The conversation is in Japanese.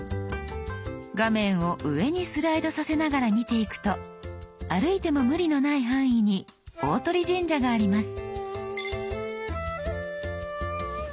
画面を上にスライドさせながら見ていくと歩いても無理のない範囲に大鳥神社があります。